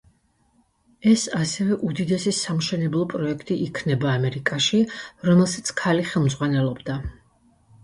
ეს ასევე უდიდესი სამშენებლო პროექტი იქნება ამერიკაში, რომელსაც ქალი ხელმძღვანელობდა.